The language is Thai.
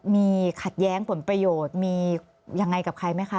มีขัดแย้งผลประโยชน์มียังไงกับใครไหมคะ